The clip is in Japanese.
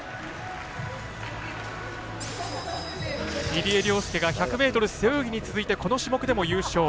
入江陵介が１００ｍ背泳ぎに続いてこの種目でも優勝。